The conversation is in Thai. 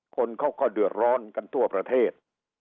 คนเขาก็เดือดร้อนกันทั่วประเทศ